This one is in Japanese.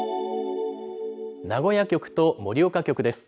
名古屋局と盛岡局です。